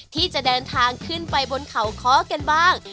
ที่จะเดินทางขึ้นไปบนเขาค้อกันบ้าง